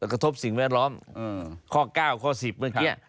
กระทบสิ่งแวดล้อมข้อ๙ข้อ๑๐เมื่อกี้